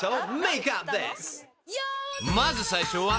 ［まず最初は］